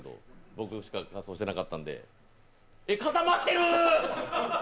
僕しか仮装してなかったんで、いや、かたまってる！